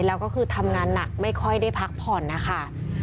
แล้วก็คือทำงานหนักไม่ค่อยได้พักผ่อนนะคะ